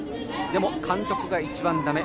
でも、監督が一番だめ。